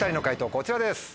こちらです。